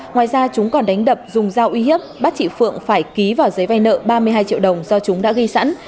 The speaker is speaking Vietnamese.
ngoài ra chúng còn đánh đập dùng dao uy hiếp bắt chị phượng phải ký vào giấy vay nợ ba mươi hai triệu đồng do chúng đã ghi sẵn